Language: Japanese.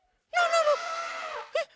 えっ？